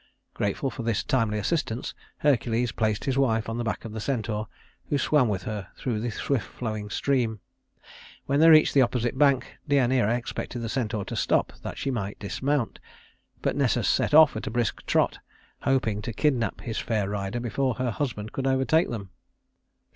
Grateful for this timely assistance, Hercules placed his wife on the back of the centaur, who swam with her through the swift flowing stream. When they reached the opposite bank, Deïaneira expected the centaur to stop, that she might dismount; but Nessus set off at a brisk trot, hoping to kidnap his fair rider before her husband could overtake them.